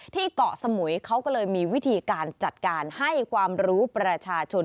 ที่เกาะสมุยเขาก็เลยมีวิธีการจัดการให้ความรู้ประชาชน